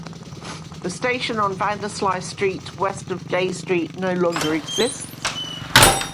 The station on Vanderslice Street, west of Gay Street, no longer exists.